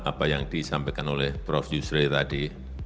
apa yang disampaikan oleh prof yusri tadi